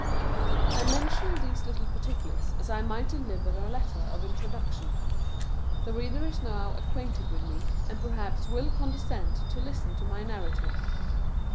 I mention these little particulars as I might deliver a letter of introduction. The reader is now acquainted with me, and perhaps will condescend to listen to my narrartive.